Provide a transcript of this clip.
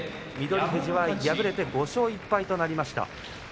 翠富士は敗れて５勝１敗となりました。